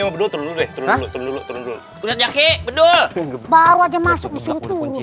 baru aja masuk